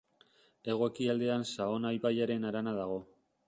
Hego-ekialdean Saona ibaiaren harana dago.